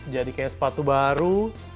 jadi kayak sepatu baru